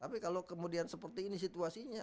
tapi kalau kemudian seperti ini situasinya